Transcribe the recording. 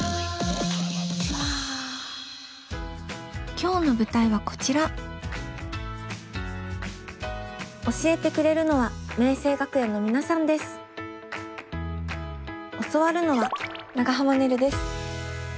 今日の舞台はこちら教えてくれるのは教わるのは長濱ねるです。